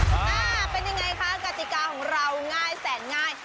อ่าเป็นยังไงคะกติกาของเราง่ายแสนง่าย